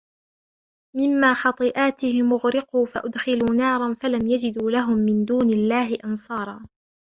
مما خطيئاتهم أغرقوا فأدخلوا نارا فلم يجدوا لهم من دون الله أنصارا